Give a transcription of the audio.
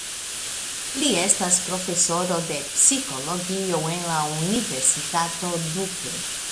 Li estas profesoro de psikologio en la Universitato Duke.